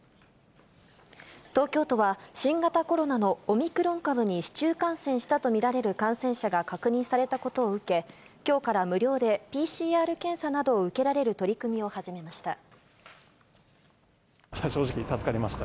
東京都は、新型コロナのオミクロン株に市中感染したと見られる感染者が確認されたことを受け、きょうから無料でＰＣＲ検査などを受けられる取り組みを始めまし正直、助かりました。